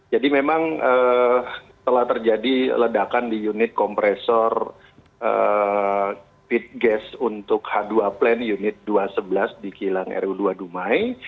jadi memang telah terjadi ledakan di unit kompresor pit gas untuk h dua plan unit dua ratus sebelas di kilang ru dua dumai